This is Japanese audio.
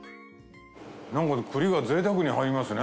なんか栗が贅沢に入りますね。